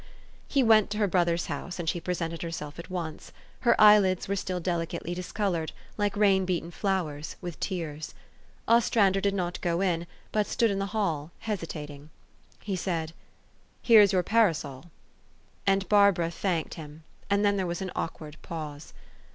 He went to her brother's house, and she presented herself at once : her eyelids were still delicately dis colored, like rain beaten flowers, with tears. Os trander did not go in, but stood in the hall, hesitating. He said, u Here is } T our parasol." And Barbara thanked him ; and then there was an awkward pause.